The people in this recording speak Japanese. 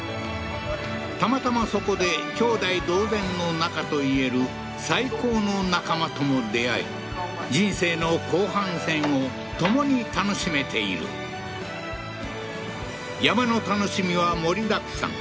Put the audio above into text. たまたまそこで兄弟同然の仲と言える最高の仲間とも出会え人生の後半戦を共に楽しめている山の楽しみは盛りだくさん